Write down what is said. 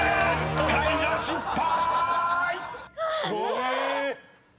解除失敗！］え！